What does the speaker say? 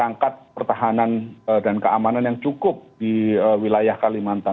perangkat pertahanan dan keamanan yang cukup di wilayah kalimantan